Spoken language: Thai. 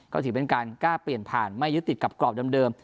ก็ถือเป็นการกล้าเปลี่ยนผ่านไม่ยึดติดกับกรอบเดิม